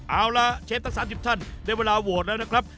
เอาล่ะเชฟทั้ง๓๐ท่านได้เวลาโหวตแล้วนะครับ